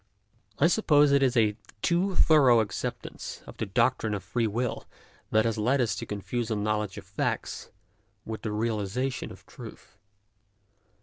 I suppose it is a too thorough acceptance of the doctrine of free will that has led us to confuse a knowledge of facts with the realization of truth.